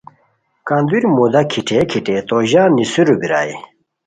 کندوری مودا کیٹھئے کیٹھئے تو ژان نیسرو بیرائے